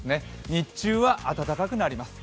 日中は暖かくなります。